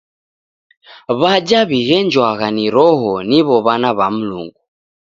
W'aja w'ighenjwagha ni Roho niw'o w'ana w'a Mlungu.